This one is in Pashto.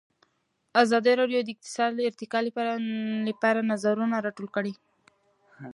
ازادي راډیو د اقتصاد د ارتقا لپاره نظرونه راټول کړي.